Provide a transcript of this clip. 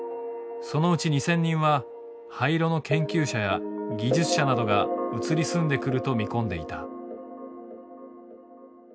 そのうち２，０００人は廃炉の研究者や技術者などが移り住んでくると見込んでいた。